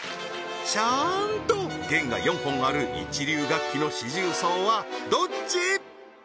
ちゃーんと弦が４本ある一流楽器の四重奏はどっち？